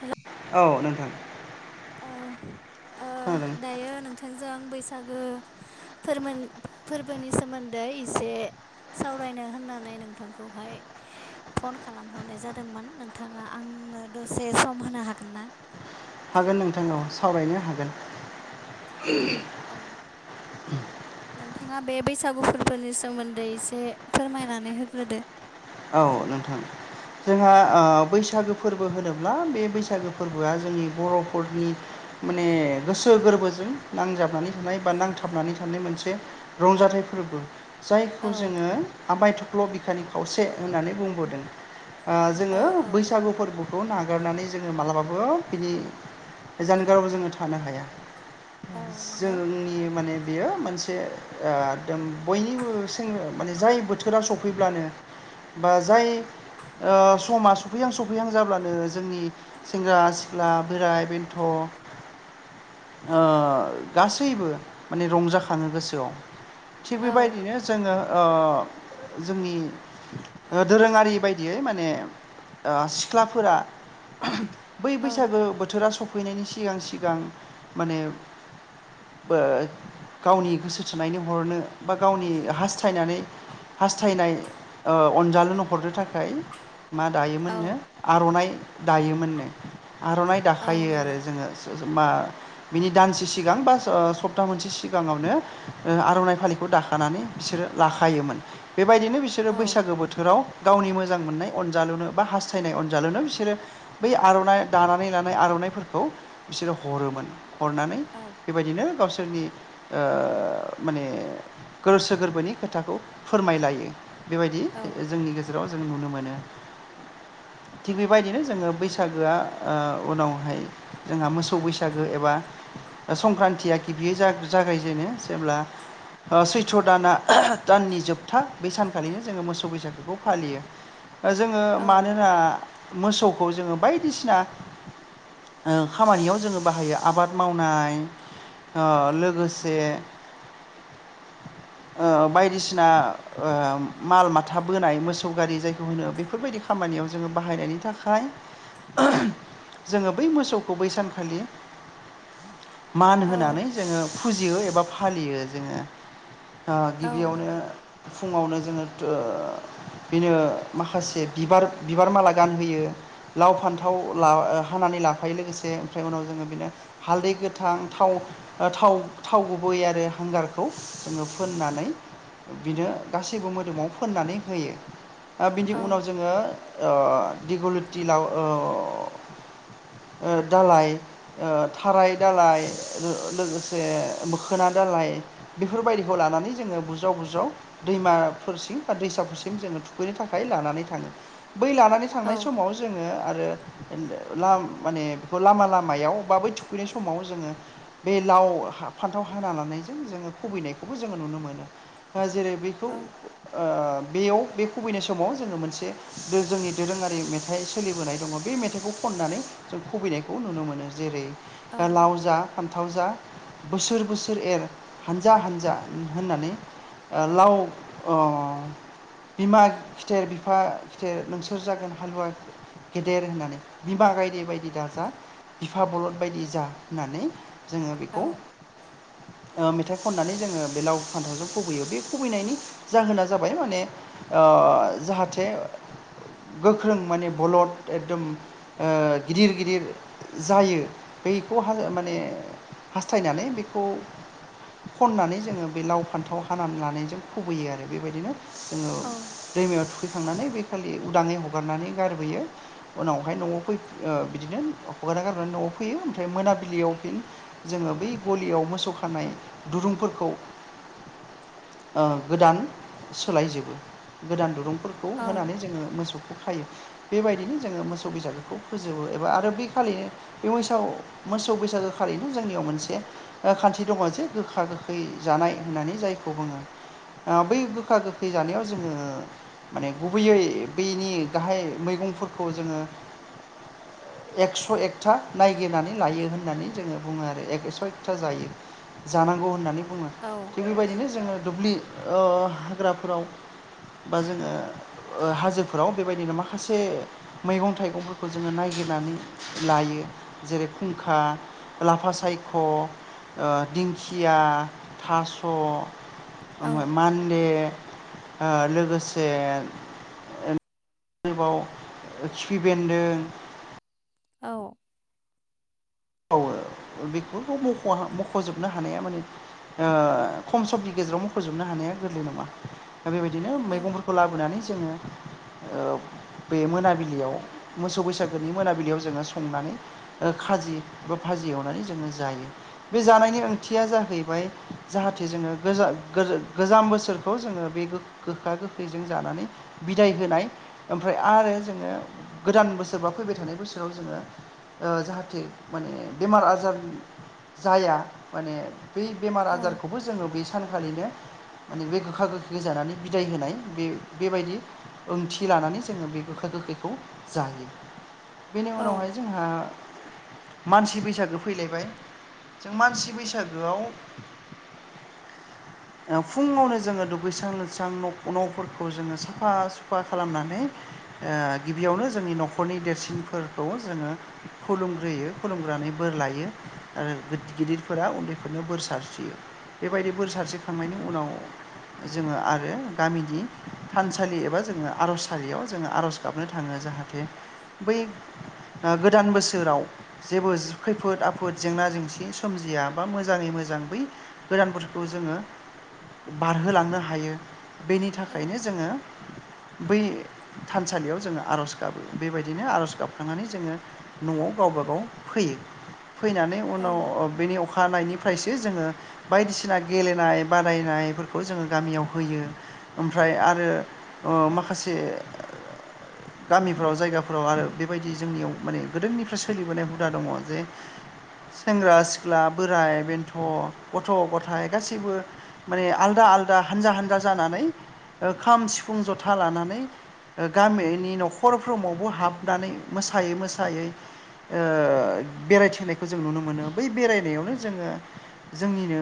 हेल' औ नोंथां औ ओ खोनादों दायो नोंथांजों बैसागो फोरमोन फोरबोनि सोमोन्दै इसे सावरायनो होननानै नोंथांखौहाय फन खालामहरनाय जादोंमोन नोंथाङा आंनो दसे सम होनो हागोन ना? हागोन नोंथां औ सावरायनो हागोन। औ नोंथाङा बे बैसागु फोरबोनि सोमोन्दै एसे फोरमायनानै होग्रोदो। औ नोंथां जोंहा ओ बैसागो फोरबो होनोब्ला बे बैसागो फोरबोआ जोंनि बर'फोरनि माने गोसो गोरबोजों नांजाबनानै थानाय बा नांथाबनानै थानाय मोनसे रंजाथाइ फोरबो जायखौ औ जोङो आमाय थख्ल' बिखानि खावसे होननानै बुंबोदों आ जोङो औ औ बैसागु फोरबो खौ नागारनानै जोङो मालाबाबो बिनि जानगाराव जोङो थानो हाया। औ नंगौ जोङो नि माने बेयो मोनस से ओ दोम बयनिबो सें माने जाय बोथोरा सफैब्लानो बा जाय ओ समा सफैहां सफैहां जाब्लानो जोंनि सेंग्रा सिख्ला बोराइ बेन्थ' ओ गासैबो माने रंजाखाङो गोसोआव। थिग औ बेबायदिनो जोङो ओ जोंनि दोरोङारि बायदियै माने ओ सिख्लाफोरा बै औ बैसागो बोथोरा सफैनायनि सिगां सिगां माने बो गावनि गोसो थोनायनि हरनो बा गावनि हास्थायनानै हास्थायनाय अनजालुनो हरनो थाखाय मा दायोमोन औ नो आर'नाइ दायोमोननो आर'नाइ औ दाखायो आरो नंगौ जोङो [unintelligible] मा बिनि दानसे सिगां बास ओ सप्ता मोनसे सिगाङावनो ओक्षआर'नाइ फालिखौ दाखानानै बिसोरो लाखायोमोन बेबायदिनो बिसोरो औ बैसागो बोथ बोथोराव गावनि मोजां मोननाय अनजालुनो बा हास्थायनाय अनजालुनो बिसोरो बै आर'नाइ दानानै लानाय आर'नाइफोरखौ बिसोरो हरोमोन हरनानै औ बेबायदिनो गावसोरनि ओ माने गोसो गोरबोनि खोथाखौ फोरमायलायो बेबायदि औ जोंनि गेजेराव जों नुनो मोनो। थिग बेबायदिनो जोङो बैसागोआ ओ उनावहाय जोंहा मोसौ बैसागो एबा संक्रान्तियाखि बियो जागायजेनो जेब्ला सैथ्र' दाना दाननि जोबथा बे सानखालिनो जोङो मोसौ सौ बैसाखोखौ फालियो जोङो औ मानोना मोसौखौ जोङो बायदिसिना खामानियाव जोङो बाहायो आबाद मावनाय ओ लोगोसे ओ बायदिसिना ओ माल मा था बोनाय मोसौ गारि जायखौ होनो बेफोरबायदि खामानियाव जोङो बाहायनायनि थाखाय जोङो बै मोसौखौ बै सानखालि मान औ होनानै जोङो फुजियो एबा फालियो जोङो। ओ औ गिबियावनो नंगौ फुङावनो जोङो बेनो माखासे बिबार बिबार माला गानहोयो लाव फान्थाव ला हानानै लाखायो लोगोसे ओमफ्राय उनाव जोङो बिनो हालदै गोथां थाव थाव थाव गुबै आरो हांगारखौ जोङो फोननानै बिनो गासैबो मोदोमाव फोननानै होयो दा बिनि उनाव औ जोङो ओ दिगुलुथि लाव दालाय ओ थाराय दालाय लोगोसे मोखोना दालाय बेफोरबायदिखौ लानानै जोङो बुजाव बुजाव दैमाफोरसिं दैसाफोरसिम जोङो थुखैनो थाखाय लानानै थाङो बै लानानै औ थांनाय समाव जोङो आरो माने बेखौ लामा लामायाव बा बै थुखैनाय समाव जोङो बे लाव फान्थाव हा लानायजों जोङो खुबैनायखौबो जोङो नुनो मोनो जेरै बे खौ औ ओ बेयाव बे खुबैनाय समाव जोङो मोनसे जोंनि दोरोङारि मेथाइ सोलिबोनाय दङ बे मेथ फिथाइखौ खननानै जों खुबैनायखौ नुनो मोनो जेरै औ लाव जा फान्थाव जा बोसोर बोसोर एर हानजा हानजा होननानै लाव ओ बिमा खिथेर बिफा खिथेर नोंसोर जागोन हालुवा गे गेदेर होननानै बिमा गायद बायदि दा जा बिफा बलद बायदि जा होननानै जोङो बेखौ औ मेथाइ खननानै जोङो बे लाव फान्थावजों खुबैयो बे खुबैनायनि जाहोना जाबाय माने ओ जाहाथे गोख्रों माने बलद एकदम ओ गिदिर गिदिर जायो बेखौ [unintelligible] माने हास्थायनानै बेखौ खननानै जोङो बे लाव फान्थाव हानानै लानायजों खुबैयो आरो बेबायदिनो जोङो औ दैमायाव थुखैखांनानै बे खालि उदाङै हगारनानै गारबोयो। उनावहाय न'आव फै ओ बिदिनो हगारना गारनानै न'आव फैयो ओमफ्राय मोनाबिलियाव फिन जोङो बै गलियाव मोसौ खानाय दुरुंफोरखौ ओ गोदान सोलायजोबो गोदान दुरुंफोरखौ औ होनानै जोङो मोसौखौ खायो बेबायदिनो जोङो मोसौ बैसागोखौ फोजोबो एबा आरो बे खालिनो [unintelligible] मोसौ बैसागो खालिनो जोंनियाव मोनसे खान्थि दङ जे गोखा गोखै जानाय होननानै जायखौ बुङो ओ बै गोखा गोखै जानायाव जोङो माने गुबैयै बेनि गाहाय मैगंफोरखौ जोङो एकस' एकथा नायगिरनानै लायो होननानै जोङो बुङो आरो एकस' एकथा जायो। जानांगौ होननानै बुङो। औ थिग बेबायदिनो जोङो दुब्लि ओ हाग्राफोराव बा जोङो हाजोफोराव बेबायदिनो माखासे मैगं-थाइगंफोरखौ जोङो नायगिरनानै लायो जेरै खुंखा लाफा सायख', ओ दिंखिया, थास' औ ओमफाय मान्डे ओ लोगोसे बाव खिफि बेन्दों औ [unintelligible] बेखौथ' [unintelligible] मख'जोबनो हानाया माने ओ खम समनि गेजेरावनो फोजोबनो हानाया गोरलै नङा दा बेबायदिनो मैगंफोर खौ लाबोनानै जोङो ओ बे मोनाबिलियाव मोसौ बैसागुनि मोनाबिलियाव जोङो संनानै ओ खाजि बा भाजि एवनानै जोङो जायो। बे जानायनि ओंथिया जाहैबाय जाहाथे जोङो गोजा-गोज-गोजाम बोसोरखौ जोङो बे गोखा गोखैजों जानानै बिदाय होनाय ओमफ्राय आरो जोङो गोदान बोसोर बा फैबाय थानाय बोसोराव जोङो ओ जाहाथे माने बेमार आजार जाया माने बै बेमार औ आजारखौबो जोङो बे सानखालिनो माने बे गोखा गोखै जानानै बिदाय होनाय बे बेबायदि ओंथि लानानै जोङो बे गोखा गोखैखौ जायो बेनि उनावहाय औ जोंहा मानसि बैसागु फैलायबाय जों मानसि बैसागोआव ओ फुङावनो जोङो दुगैस्रां लोबस्रां' न' न'फोरखौ जोङो साफा सुफा खालामनानै आ गिबियावनो जोंनि न'खरनि देरसिनफोरखौ जोङो खुलुमग्रोयो खुलुमग्रानै बोर लायो आरो गिदिरफोरा उन्दैफोरनो बोर सारस्रियो। बेबायदि बोर सारज्रिखांनायनि उनाव जोङो आरो गामिनि थानसालि एबा जोङो आर'ज सलियाव जोङो आर'ज गाबनो थाङो जाहाथे बै गोदान बोसोराव जेबो खैफोद आफोद जेंना जेंसि सोमजिया बा मोजाङै मोजां बै गोदानफोरखौ जोङो बारहोलांनो हायो बेनि औ थाखायनो जोङो बै थानसालियाव जोङो आर'ज गाबो बेबायदिनो आर'ज गाबखांनानै जोङो न'आव गावबा गाव फैयो फैनानै उनाव बेनि अखानायनिफ्रायसो जोङो बायदिसिना गेलेनाय बादायनायफोरखौ जोङो गामियाव होयो ओमफ्राय आरो ओ माखासे गामिफोराव जायगाफोराव आरो बेबायदि जोंनियाव माने गोदोनिफ्राय। सोलिबोनाय हुदा दङ जे सेंग्रा सिख्ला बोरायाइ बेन्थ' गथ' गथायाइ गासैबो। माने आलदा आलादा हानजा हानजा जानानै खाम सिफुं जथा लानानै। गामिनि न'खरफ्रोमावबो हाबनानै मोसायै मोसायै ओ बेरायथिनायखौ जों नुनो मोनो बै बेरायनायावनो जोङो जोंनिनो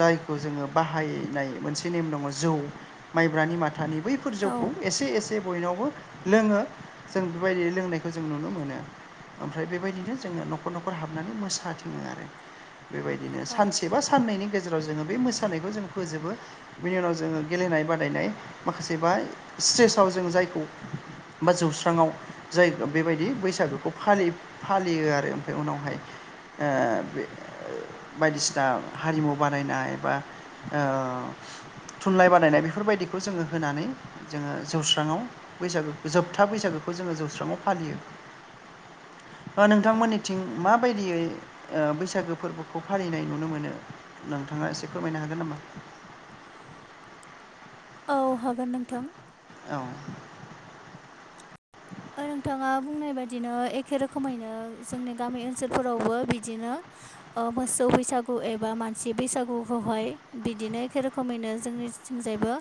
जायखौ जोङो बाहायनाय मोनसे नेम दङ जौ माइब्रानि, माथानि बै फोरजौखौ एसे एसे बयनावबो लोङो जों बेबायदि लोंनायखौ जों नुनो मोनो। ओमफ्राय बेबायदिनो जोङो न'खर न'खर हाबनानै मोसाथिङो आरो बेबाय बिदिनो औ सानसे बा साननैनि गेजेराव जोङो बे मोसानायखौ जों फोजोबो। बिनि उनाव जोङो गेलेनाय बादायनाय माखासेबा स्ट्रेसआव जों जायखौ बा जौस्राङाव जाय बेबायदि बैसागोखौ फालियो आरो ओमफ्राय उनावहाय। बायदिसिना हारिमु बानायनाय एबा थुनलाइ बादायनाय बेफोरबायदिखौ जोङो होनानै जोङो जौस्राङाव बैसागो जोबथा बैसागोखौ जोङो जौस्राङाव फालियो। औ नोंथांमोननिथिं माबायदियै बैसागो फोरबोखौ फालिनाय नुनो मोनो। नोंथाङा एसे फोरमायनो हागोन नामा। औ हागोन नोंथां। औ नोंथाङा बुंनाय बाददिनो एखे रोखोमैनो जोंनि गामि ओनसोलफोरावबो बिदिनो। मोसौ बैसागु एबा मानसि बैसागुखौहाय बिदिनो एखे रोखोमनि रोखोमैनो जोंनिथिंजायबो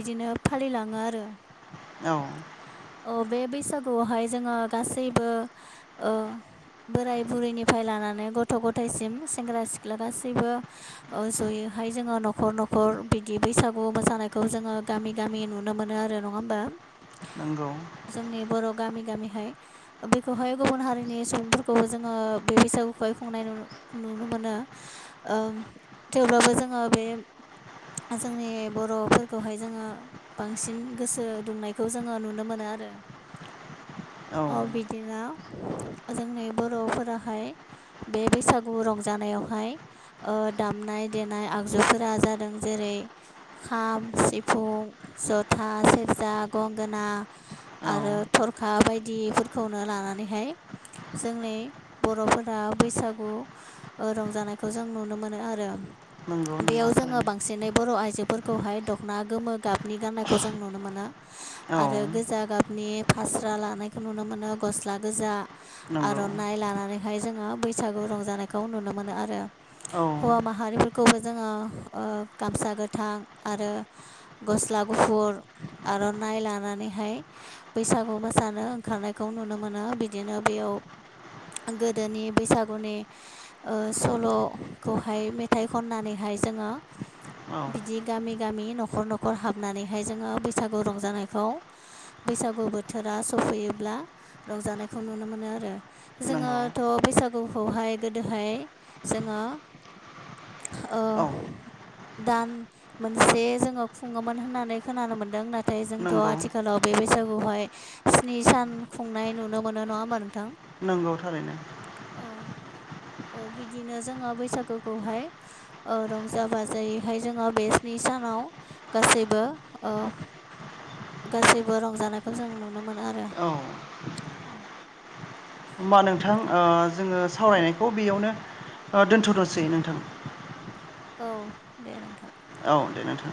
बिदिनो फालिलाङो आरो औ ओ बे बैसागुआवहाय जोङो गासैबो। बोराय बुरैनिफ्राय लानानै गथ' गथायाइसिम सेंग्रा सिख्ला गासैबो। ज'यैहाय जोङो न'खर न'खर बिदि बैसागु मोसानायखौ जोङो गामि गामि नुनो मोनो आरो नङा होमबा। नंगौ। जोंनि बर' गामि गामिहाय। बेखौहाय गुबुन हारिनि सुबुंफोरखौबो जोङो बे बैसागुखौहाय खुंनाय। नुनो मोनो थेवब्लाबो जोङो बे जोंनि बर'फोरखौहाय जोङो। बांसिन गोसो दुंनायखौ जोङो नुनो मोनो आरो औ बिदिनो जोंनि बर'फोराहाय बे बैसागु रंजानायावहाय ओ दामनाय देनाय आगजुफोरा जादों जेरै खाम सिफुं जथा सेरजा गंगोना। औ आरो थरखा बायदिफोरखौनो लानानैहाय। जोंनि बर'फोरा बैसागु ओ रंजानायखौ जों नुनो मोनो आरो नंगौ नंगौ बेयाव जोङो थारैनो बांसिनै बर' आइजोफोरखौहाय दख'ना गोमो गाबनि गाननायखौ जों नुनो मोनो। औ आरो गोजा गाब नि फास्रा लानायखौ नुनो मोनो गस्ला गोजा नंगौ आर'नाइ लानानै। हाय जोङो बैसागु रंजानायखौ नुनो मोनो आरो औ हौवा माहारिफोरखौ खौबो जोङो गामसा गोथां आरो गस्ला गुफुर आरो नाय लानानैहाय। बैसागु मोसानो ओंखारनायखौ नुनो मोनो बिदिनो बेयाव गोदोनि बैसागुनि सल'खौहाय मेथाइ खननानैहाय जोङो औ बिदि गामि गामि न'खर न'खर हाबनानैहाय जोङो बैसागु रंजानायखौ बैसागु बोथोरा सफैयोब्ला रंजानायखौ नुनो मोनो आरो नंगौ जोङोथ' बैसागुखौहाय गोदोहाय जोङो ओ औ दान मोनसे जोङो खुङोमोन होननानै खोनानो मोन्दों नाथाय जोंथ' नंगौ आथिखालाव। बे बैसागुआवहाय स्नि सान खुंनाय नुनो मोनो नङा होमबा नोंथां। नंगौ थारैनो औ औ बिदिनो जोङो बैसागो खौहाय रंजा बाजायैहाय जोङो बे स्नि सानाव गासैबो गासैबो रंजानायखौ जों नुनो मोनो आरो औ औ। होमबा नोंथां जोङो सावरायनायखौ बेयावनो दोनथ'द'सै नोंथां। औ दे नोंथां। औ दे नोंथां।